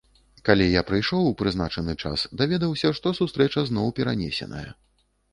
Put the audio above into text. Калі я прыйшоў у прызначаны час, даведаўся, што сустрэча зноў перанесеная.